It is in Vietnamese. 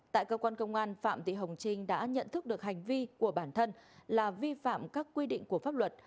tại cơ quan công an phạm thị hồng trinh đã nhận thức được hành vi của bản thân là vi phạm các quy định của pháp luật